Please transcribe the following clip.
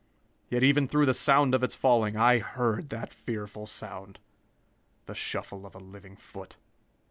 Yet even through the sound of its falling, I heard that fearful sound the shuffle of a living foot!